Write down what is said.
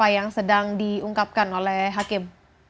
yang sedang diungkapkan oleh hakim